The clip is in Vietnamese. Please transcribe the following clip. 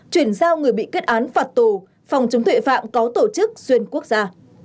chuyển giao người bị kết án phạt tù phòng chống tuệ phạm có tổ chức xuyên quốc gia